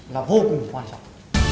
là vô cùng quan trọng